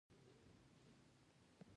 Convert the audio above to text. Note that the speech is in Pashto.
د کور وسایل او نور شیان هم همداسې دي